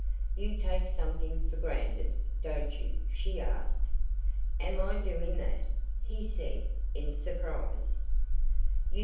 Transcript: "You take something for granted, don't you?" she asked. "Am I doing that?" he said in surprise.